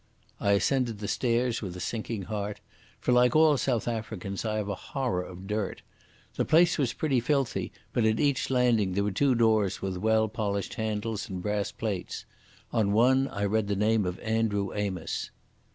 I ascended the stairs with a sinking heart, for like all South Africans I have a horror of dirt. The place was pretty filthy, but at each landing there were two doors with well polished handles and brass plates. On one I read the name of Andrew Amos.